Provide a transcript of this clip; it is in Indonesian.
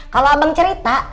kalau abang cerita